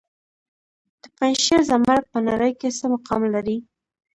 د پنجشیر زمرد په نړۍ کې څه مقام لري؟